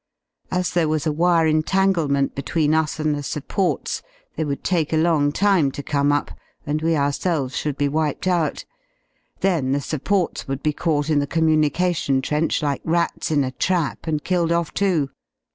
As there was a wire entanglement between us and the supports they would take a long time to come up and we ourselves should be wiped out; then the supports would be caught in the communication trench like rats in a trap, and killed off, too.